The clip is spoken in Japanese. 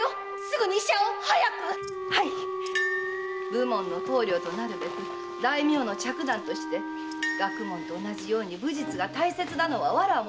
武門の頭領となるべき大名の嫡男として学問と同じように武術が大切なのはわらわも存じております。